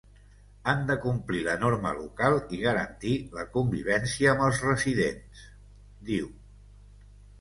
Han de complir la norma local i garantir la convivència amb els residents, diu.